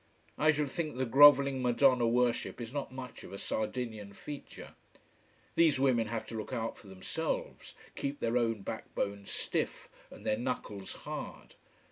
I should think the grovelling Madonna worship is not much of a Sardinian feature. These women have to look out for themselves, keep their own back bone stiff and their knuckles hard.